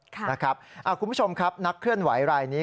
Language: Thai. คุณผู้ชมครับนักเคลื่อนไหวรายนี้